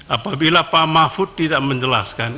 apabila pak mahfud tidak menjelaskan